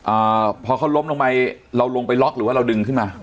อ่าพอเขาล้มลงไปเราลงไปล็อกหรือว่าเราดึงขึ้นมา